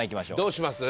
どうします？